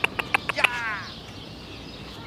やー！！！